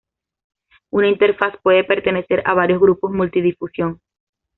Una interfaz puede pertenecer a varios grupos multidifusión.